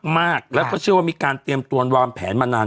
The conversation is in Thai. มากแล้วก็เชื่อว่ามีการเตรียมตัววางแผนมานาน